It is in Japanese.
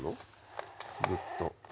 グッと。